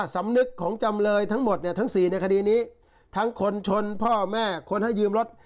สำนึกของจำเลยทั้งหมดเนี่ยทั้งสี่ในคดีนี้ทั้งคนชนพ่อแม่คนให้ยืมรถ